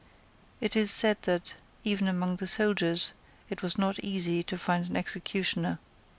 It is said that, even among the soldiers, it was not easy to find an executioner.